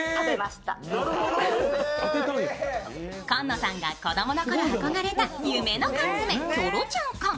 紺野さんが子供の頃憧れた夢の缶詰、キョロちゃん缶。